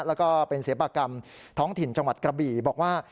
แล้วก็เป็นศิลปกรรมท้องถิ่นจังหวัดกระบี่บอกว่า